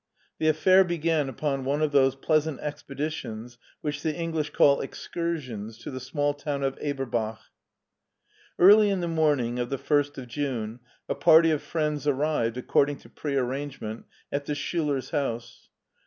The affair began upon one of those pleasant expeditions which the English call "excur sions '* to the small town of Eberbach. Early in the morning of the first of June a party of friends arrived, according to pre arrangement, at the Schulers' house.